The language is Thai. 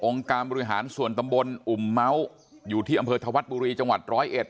องค์การบริหารส่วนตำบลอุ๋มเมาท์อยู่ที่อำเภอธวัฒน์บุรีจังหวัด๑๐๑